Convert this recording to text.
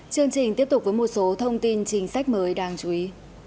chương trình tiếp tục với một số thông tin chính sách mới đáng chú ý